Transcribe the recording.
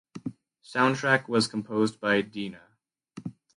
Soundtrack was composed by Dhina.